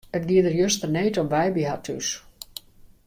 It gie der juster need om wei by harren thús.